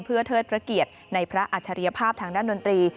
เพื่อเทิดพระเกียรติในพระอัจฉริยภาพทางด้านดนตรี